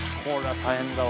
大変だよ。